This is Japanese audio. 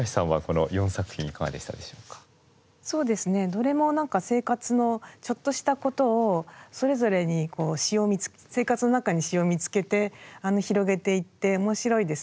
どれも何か生活のちょっとしたことをそれぞれに生活の中に詩を見つけて広げていって面白いですね。